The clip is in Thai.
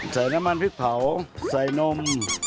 ใส่น้ำมันพริกเผาใส่นม